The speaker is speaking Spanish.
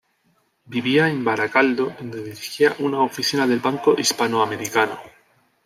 Vivía en Baracaldo, donde dirigía una oficina del Banco Hispano Americano.